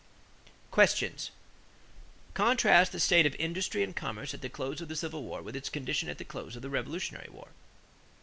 =Questions= 1. Contrast the state of industry and commerce at the close of the Civil War with its condition at the close of the Revolutionary War.